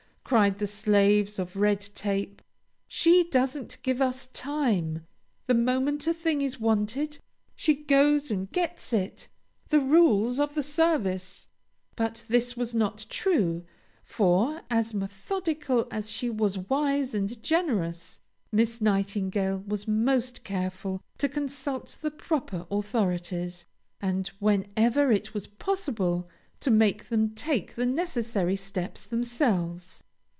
cried the slaves of Red Tape. "She doesn't give us time! The moment a thing is wanted, she goes and gets it!!! The rules of the service " But this was not true; for, as methodical as she was wise and generous, Miss Nightingale was most careful to consult the proper authorities, and, whenever it was possible, to make them take the necessary steps themselves.